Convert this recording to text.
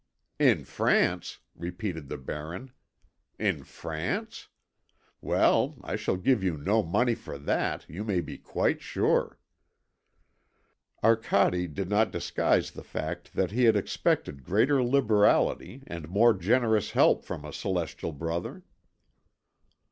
"In France!" repeated the Baron, "in France? Well, I shall give you no money for that, you may be quite sure." Arcade did not disguise the fact that he had expected greater liberality and more generous help from a celestial brother.